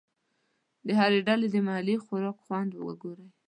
د هر هېواد د محلي خوراک خوند وګورئ.